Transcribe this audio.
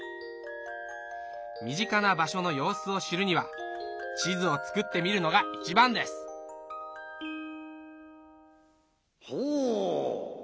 身近な場所の様子を知るには地図を作ってみるのが一番ですほう。